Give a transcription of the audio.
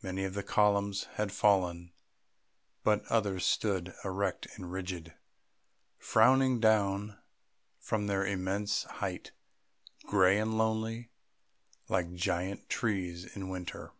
Many of the columns had fallen, but others stood, erect and rigid, frowning down from their immense height, grey and lonely, like giant trees in winter.